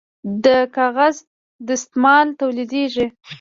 د کاغذ دستمال تولیدیږي